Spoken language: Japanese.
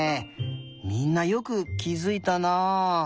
みんなよくきづいたな。